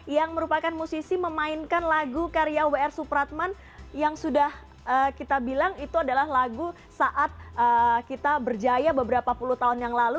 yang merupakan musisi memainkan lagu karya wr supratman yang sudah kita bilang itu adalah lagu saat kita berjaya beberapa puluh tahun yang lalu